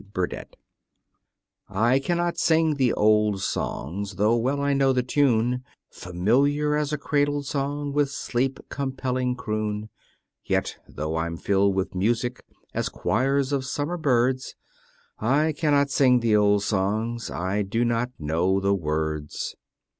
BURDETTE I can not sing the old songs, Though well I know the tune, Familiar as a cradle song With sleep compelling croon; Yet though I'm filled with music As choirs of summer birds, "I can not sing the old songs" I do not know the words.